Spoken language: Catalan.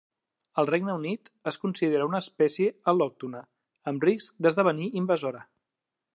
Al Regne Unit es considera una espècia al·lòctona amb risc d'esdevenir invasora.